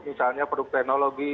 misalnya produk teknologi